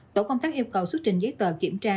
tổ công tác yêu cầu xuất trình giấy tờ kiểm tra